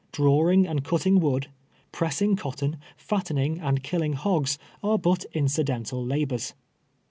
Drawing and cutting wood, pressing cotton, fattening and killing hogs, are but incidental labors.